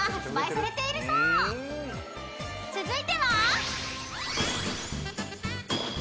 ［続いては］